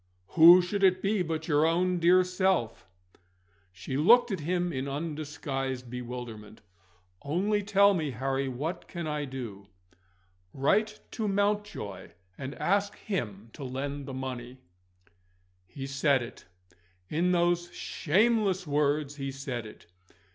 "Who should it be but your own dear self?" She looked at him in undisguised bewilderment: "Only tell me, Harry, what I can do?" "Write to Mountjoy, and ask him to lend me the money." He said it. In those shameless words, he said it.